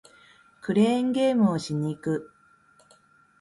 クレーンゲームをしに行く